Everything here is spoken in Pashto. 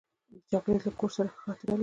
چاکلېټ له کور سره خاطره لري.